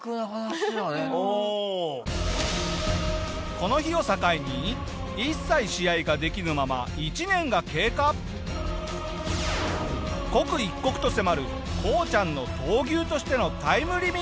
この日を境に刻一刻と迫るこうちゃんの闘牛としてのタイムリミット。